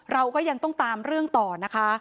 เราก็ยังต้องตามเรื่องต่อนะคะ